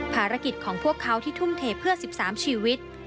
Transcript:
ภารกิจของพวกเขาที่ทุ่มเทเพื่อ๑๓ชีวิต